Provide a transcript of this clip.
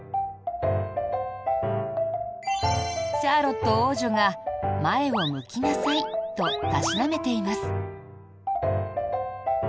シャーロット王女が前を向きなさいとたしなめています。